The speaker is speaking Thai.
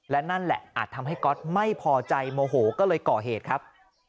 และนั่นแหละอาจทำให้ก๊อตไม่พอใจโมโหก็เลยก่อเหตุครับ